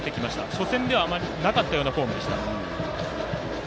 初戦ではあまりなかったようなフォームでした。